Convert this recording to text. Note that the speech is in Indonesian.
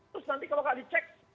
terus nanti kalau nggak dicek